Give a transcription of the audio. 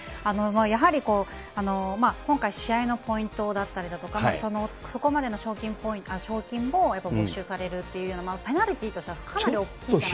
やはりこう、今回、試合のポイントだったりだとか、そこまでの賞金も没収されるっていう、ペナルティとしてはかなり大きいかなと。